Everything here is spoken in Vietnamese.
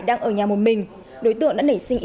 đang ở nhà một mình